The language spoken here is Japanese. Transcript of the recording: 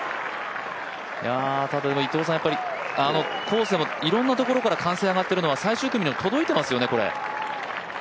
いや伊藤さん、コースでもいろんなところから歓声が上がってるの最終組にも届いていますよね、これ。